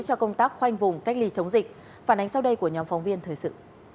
cho công tác khoanh vùng cách ly chống dịch phản ánh sau đây của nhóm phóng viên thời sự